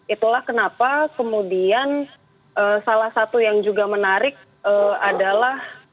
itulah kenapa kemudian salah satu yang juga menarik adalah